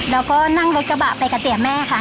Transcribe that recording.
แล้วก็นั่งรถกระบะไปกับเตี๋ยแม่ค่ะ